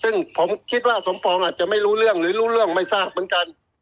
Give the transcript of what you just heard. ซึ่งผมคิดว่าสมปองอาจจะไม่รู้เรื่องหรือรู้เรื่องไม่ทราบเหมือนกัน